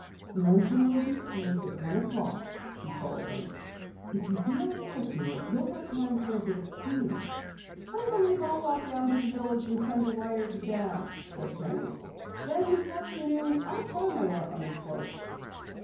"Luncheon will be served at one o'clock," she told them. "If you feel equal to it you'll have time for a bit of skiing." "I believe I'll walk down to the village and send a wire to Dad," said Penny. "Then this afternoon I'll try my luck on the slopes."